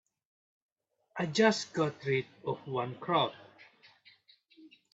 I just got rid of one crowd.